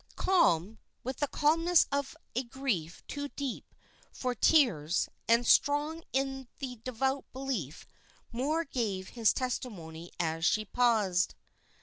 Calm, with the calmness of a grief too deep for tears, and strong in a devout belief, Moor gave his testimony as she paused.